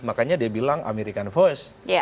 makanya dia bilang american first